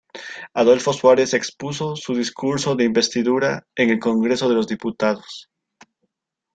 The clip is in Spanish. Adolfo Suárez expuso su discurso de investidura en el Congreso de los Diputados.